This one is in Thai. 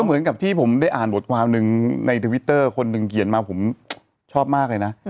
เหมือนกับที่ผมได้อ่านบทความหนึ่งในทวิตเตอร์คนหนึ่งเขียนมาผมชอบมากเลยนะ